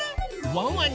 ワンワン